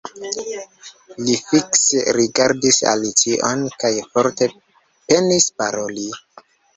Li fikse rigardis Alicion kaj forte penis paroli.